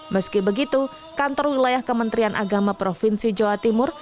meski begitu kantor wilayah kementerian agama provinsi jawa timur